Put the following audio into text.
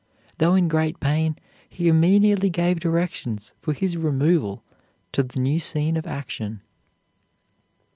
Though in great pain, he immediately gave directions for his removal to the new scene of action.